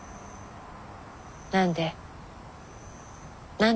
何で？